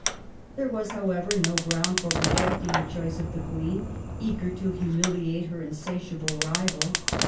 There was, however, no ground for rejecting the choice of the Queen, eaeer to humiliate her insatiable rival.